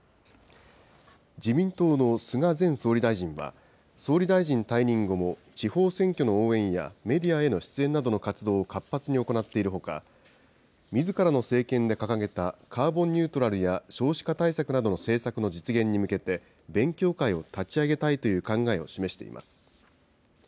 自民党の菅前総理大臣は総理大臣退任後も、地方選挙の応援やメディアへの出演などの活動を活発に行っているほか、みずからの政権で掲げた、カーボンニュートラルや少子化対策などの政策の実現に向けて、勉強会を立ち上げたいという考えを示しています。